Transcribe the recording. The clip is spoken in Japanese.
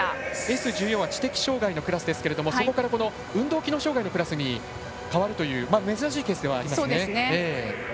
Ｓ１４は知的障がいのクラスですがそこから運動機能障がいのクラスに変わるという珍しいケースではあります。